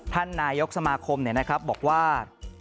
ท่านนายกษมคมนะครับบอกว่า